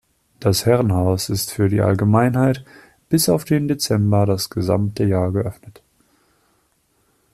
Das Herrenhaus ist für die Allgemeinheit bis auf den Dezember das gesamte Jahr geöffnet.